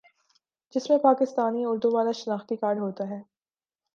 جس میں پاکستانی اردو والا شناختی کارڈ ہوتا ہے